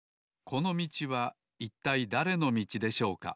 このみちはいったいだれのみちでしょうか？